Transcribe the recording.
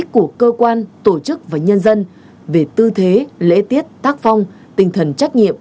của cơ quan tổ chức và nhân dân về tư thế lễ tiết tác phong tinh thần trách nhiệm